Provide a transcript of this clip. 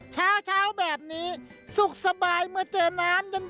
เช้าแบบนี้สุขสบายเมื่อเจอน้ำเย็น